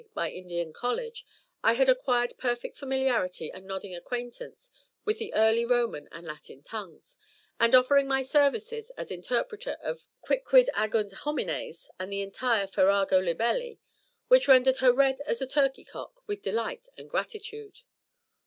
by Indian College, I had acquired perfect familiarity and nodding acquaintance with the early Roman and Latin tongues, and offering my services as interpreter of "quicquid agunt homines," and the entire "farrago libelli," which rendered her red as a turkeycock with delight and gratitude.